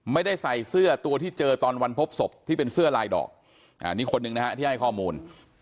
ไม่ได้ใส่เสื้อตัวที่เจอตอนวันพบศพที่เป็นเสื้อลายดอกอันนี้คนหนึ่งนะฮะที่ให้ข้อมูล